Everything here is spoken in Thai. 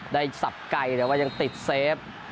สับไกลแต่ว่ายังติดเซฟ